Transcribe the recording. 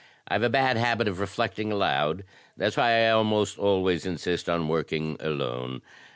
I've a bad habit of reflecting aloud. That's why I almost always insist on working alone.